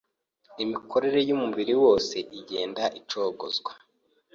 Imikorere y’umubiri wose igenda icogozwa,